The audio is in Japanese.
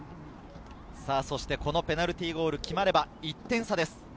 このペナルティーゴールが決まれば１点差です。